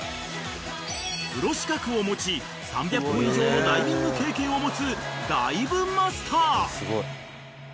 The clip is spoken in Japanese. ［プロ資格を持ち３００本以上のダイビング経験を持つダイブマスター］